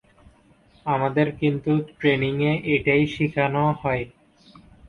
আমাদের কিন্তু ট্রেনিং এ এটাই শেখানো হয়।